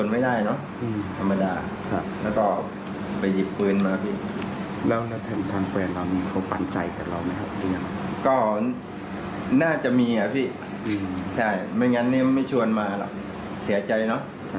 มีอ่ะพี่ใช่ไม่งั้นนี่มันไม่ชวนมาหรอกเสียใจเนาะ